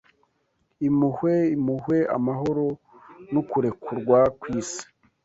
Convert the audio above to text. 'Impuhwe, Impuhwe, Amahoro Nukurekurwa kwisi.'